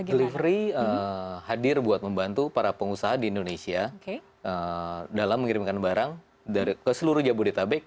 delivery hadir buat membantu para pengusaha di indonesia dalam mengirimkan barang ke seluruh jabodetabek